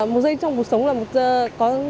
một giây trong cuộc sống